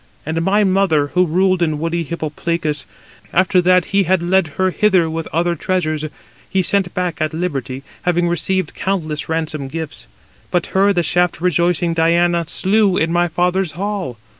And my mother, who ruled in woody Hypoplacus, after that he had led her hither with other treasures, he sent back at liberty, having received countless ransom gifts. But her the shaft rejoicing Diana slew in my father's hall.